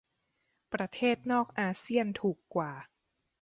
ประเทศนอกอาเซี่ยนถูกกว่า